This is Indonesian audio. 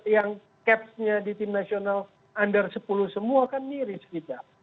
yang capsnya di tim nasional under sepuluh semua kan miris kita